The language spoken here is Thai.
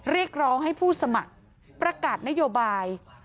เรียกร้องให้ผู้สมัครประกาศนโยบาย